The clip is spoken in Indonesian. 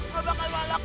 gak bakal balak